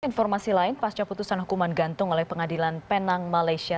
informasi lain pasca putusan hukuman gantung oleh pengadilan penang malaysia